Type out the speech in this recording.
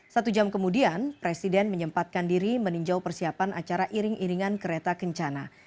satu jam kemudian presiden menyempatkan diri meninjau persiapan acara iring iringan kereta kencana